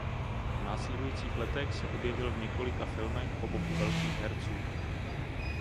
V následujících letech se objevil v několika filmech po boku velkých herců.